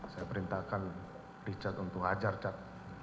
saya perintahkan richard untuk hajar cat